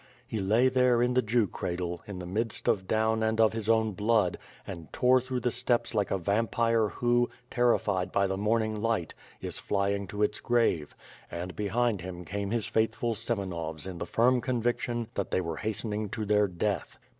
He lay there in the Jew cradle, in the midst of down and of his own blood, and tore through the steppes like a vampire who, terrified by the morning light, is flying to its grave; and behind him came his faithful Semenovs in the firm conviction that they were hastening to their death.